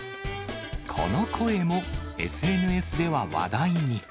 この声もＳＮＳでは話題に。